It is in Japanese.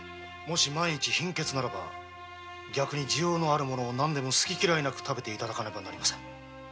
もし万一貧血ならば逆に滋養のあるものを好き嫌いなく食べて頂かねばなりません。